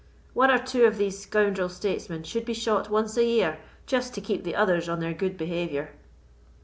One or two of these scoundrel statesmen should be shot once a year, just to keep the others on their good behaviour."